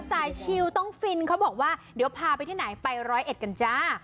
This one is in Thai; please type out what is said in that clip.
ชิลต้องฟินเขาบอกว่าเดี๋ยวพาไปที่ไหนไปร้อยเอ็ดกันจ้า